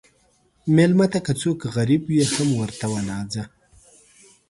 مېلمه ته که څوک غریب وي، هم ورته وناځه.